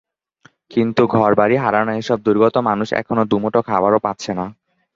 কিন্তু ঘরবাড়ি হারানো এসব দুর্গত মানুষ এখন দুমুঠো খাবারও পাচ্ছে না।